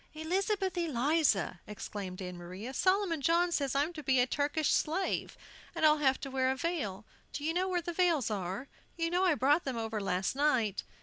"Elizabeth Eliza!" exclaimed Ann Maria, "Solomon John says I'm to be a Turkish slave, and I'll have to wear a veil. Do you know where the veils are? You know I brought them over last night."